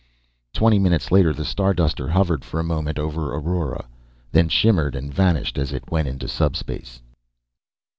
Twenty minutes later, the Starduster hovered for a moment over Aurora, then shimmered and vanished as it went into subspace.